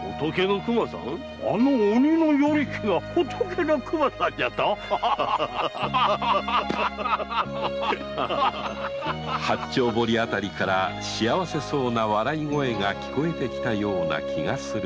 あの“鬼の与力”が“仏の熊さん”じゃと⁉八丁堀辺りから幸せそうな笑い声が聞こえてきたような気がする吉宗であった